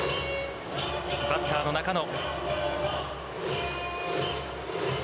バッターの中野。